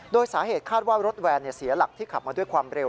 โดยสาเหตุคาดว่ารถแวนเสียหลักที่ขับมาด้วยความเร็ว